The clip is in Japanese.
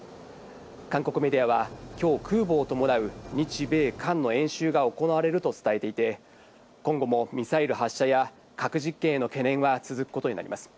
韓国メディアは今日、空母を伴う日米韓の演習が行われると伝えていて、今後もミサイル発射や核実験への懸念は続くことになります。